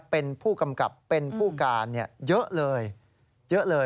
เป็นผู้กำกับเป็นผู้การเยอะเลย